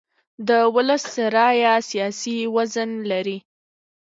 د ولس رایه سیاسي وزن لري